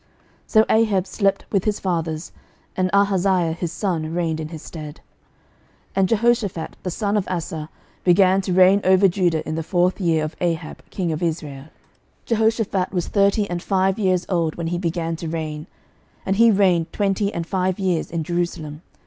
11:022:040 So Ahab slept with his fathers; and Ahaziah his son reigned in his stead. 11:022:041 And Jehoshaphat the son of Asa began to reign over Judah in the fourth year of Ahab king of Israel. 11:022:042 Jehoshaphat was thirty and five years old when he began to reign; and he reigned twenty and five years in Jerusalem.